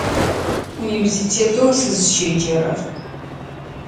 Университетэу сызыщеджэрэр.